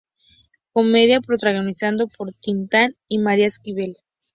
Comedia protagonizada por Tin Tan y María Esquivel.